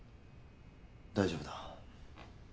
大丈夫だ。